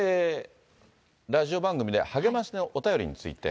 ラジオ番組で励ましのお便りについて。